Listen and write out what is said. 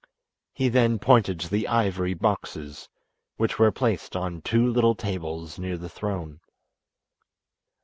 He then pointed to the ivory boxes, which were placed on two little tables near the throne.